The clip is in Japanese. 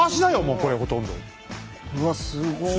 うわすごい。